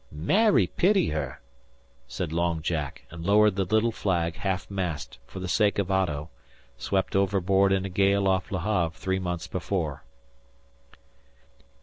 "Mary pity her!" said Long Jack, and lowered the little flag half mast for the sake of Otto, swept overboard in a gale off Le Have three months before.